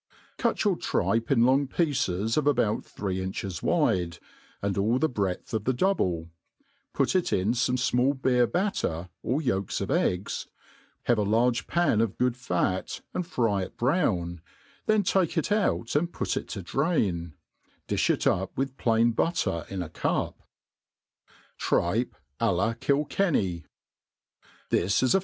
CUT ypur tripe in long pieces of about three inches wide, and ali the breadth of the double; put it in fome fmall bcer batter, or yolks of eggs ; have a large pan of good fat, and fry it brown, then take it out and put it to, drain j difli it up ^Ub plain butter in a cup, * I at Tirti ■■■^ MADE PLAIN AND EASY. a$ Tripe a la Kiliennf* THIS is a.